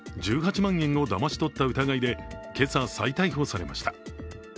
１８万円をだまし取った疑いで今朝、再逮捕されました。